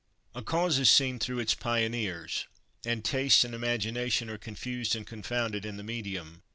A cause is seen through its pioneers, and taste and imagination are confused and confounded in the medium.